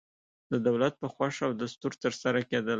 د دولت په خوښه او دستور ترسره کېدل.